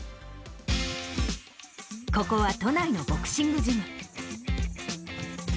ここは都内のボクシングジム。